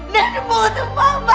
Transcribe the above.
nanti ketemu mama